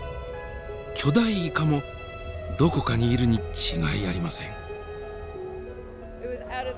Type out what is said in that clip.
巨大イカもどこかにいるに違いありません。